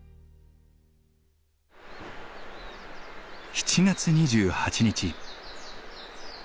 ７月２８日。